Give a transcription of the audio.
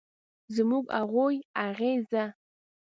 زموږ، هغوی ، هغې ،زه